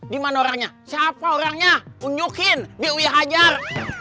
dimana orangnya siapa orangnya unjukin di uya hajar